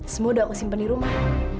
semua udah aku simpen di rumah